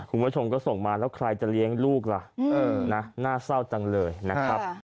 คุณผู้ชมก็ส่งมาแล้วใครจะเลี้ยงลูกล่ะน่าเศร้าจังเลยนะครับ